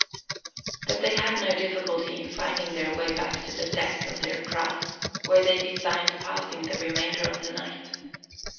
But they had no difficulty in finding their way back to the deck, of their craft, where they designed passing the remainder of the night.